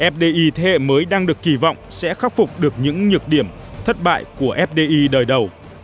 fdi thế hệ mới đang được kỳ vọng sẽ khắc phục được những nhược điểm thất bại của fdi đời đầu